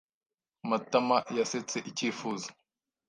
Matama yasetse icyifuzo.